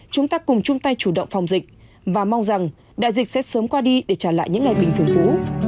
chúng ta cùng chung tay chủ động phòng dịch và mong rằng đại dịch sẽ sớm qua đi để trả lại những ngày bình thường